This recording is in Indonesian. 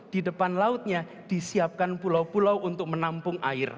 di depan lautnya disiapkan pulau pulau untuk menampung air